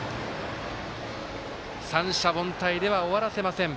三者凡退では終わらせません。